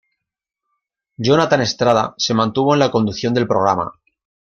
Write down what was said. Jonathan Estrada se mantuvo en la conducción del programa.